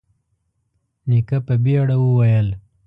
نيکه په بيړه وويل: